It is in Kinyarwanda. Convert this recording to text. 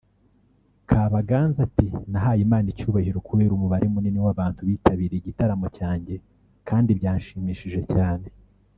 Kabaganza ati ” Nahaye Imana icyubahiro kubera umubare munini w’abantu bitabiriye igitaramo cyanjye kandi byanshimishije cyane”